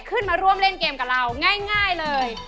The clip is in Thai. ขึ้นมาร่วมเล่นเกมกับเราง่ายเลย